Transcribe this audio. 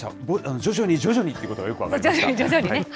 徐々に徐々にということがよく分徐々に徐々にね。